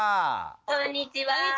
こんにちは。